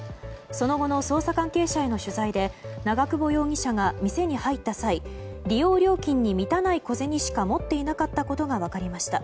その後の捜査関係者への取材で長久保容疑者が店に入った際利用料金に満たない小銭しか持っていなかったことが分かりました。